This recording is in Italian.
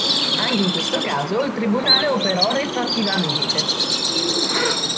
Anche in questo caso il tribunale operò retroattivamente.